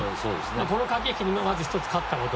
この駆け引きにまず勝ったこと。